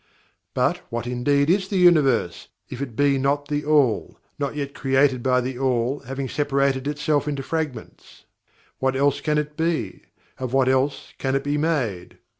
But, what indeed is the Universe, if it be not THE ALL, not yet created by THE ALL having separated itself into fragments? What else can it be of what else can it be made?